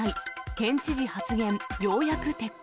県知事発言、ようやく撤回。